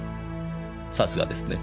さすがですね。